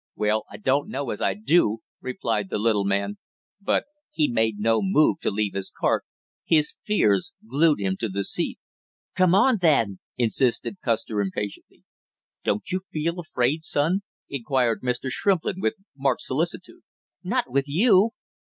"Well, I don't know as I do," replied the little man, but he made no move to leave his cart, his fears glued him to the seat. "Come on, then!" insisted Custer impatiently. "Don't you feel afraid, son?" inquired Mr. Shrimplin, with marked solicitude. "Not with you!"